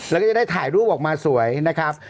แล้วก็จะได้ถ่ายรูปออกมาสวยนะครับ